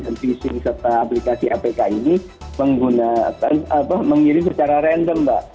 sentencing serta aplikasi apk ini mengirim secara random mbak